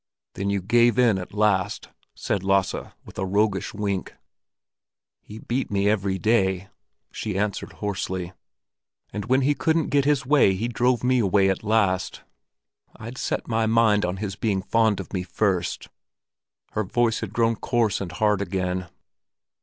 "Then you gave in at last," said Lasse, with a roguish wink. "He beat me every day," she answered hoarsely. "And when he couldn't get his way, he drove me away at last. I'd set my mind on his being fond of me first." Her voice had grown coarse and hard again.